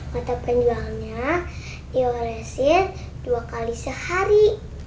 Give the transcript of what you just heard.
mata penjualnya dioresin dua kali sehari